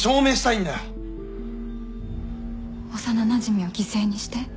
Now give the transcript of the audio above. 幼なじみを犠牲にして？